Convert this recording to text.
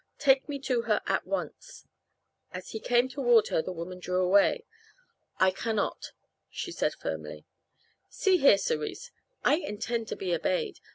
Take me to her at once." As he came toward her the woman drew away. "I cannot," she said firmly. "See here, Cerise, I intend to be obeyed.